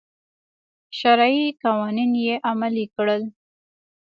شرعي قوانین یې عملي کړل.